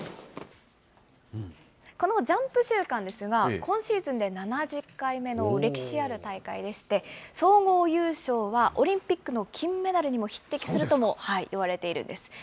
このジャンプ週間ですが、今シーズンで７０回目の歴史ある大会でして、総合優勝はオリンピックの金メダルにも匹敵するとも言われているんです。